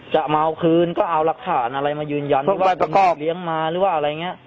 จะมาเอาคืนก็เอารับฐานอะไรมายืนยันหรือว่าเลี้ยงมาหรือว่าอะไรเงี้ย